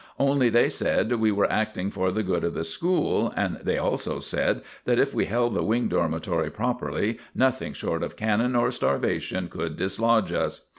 Only they said we were acting for the good of the school, and they also said that if we held the Wing Dormitory properly nothing short of cannon or starvation could dislodge us.